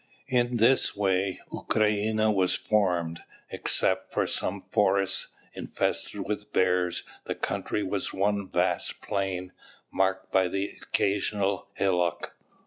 In this way Ukrainia was formed. Except for some forests, infested with bears, the country was one vast plain, marked by an occasional hillock.